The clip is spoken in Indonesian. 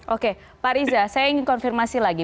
oke pak riza saya ingin konfirmasi lagi